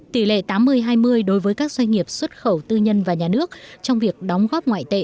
tỷ lệ tám mươi hai mươi đối với các doanh nghiệp xuất khẩu tư nhân và nhà nước trong việc đóng góp ngoại tệ